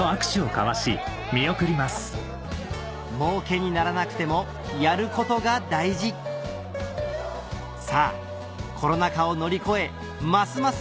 もうけにならなくてもやることが大事さぁコロナ禍を乗り越えますます